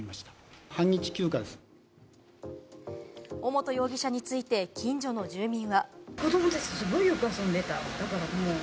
尾本容疑者について近所の住民は。